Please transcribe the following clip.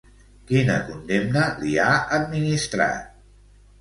Quina condemna li ha administrat?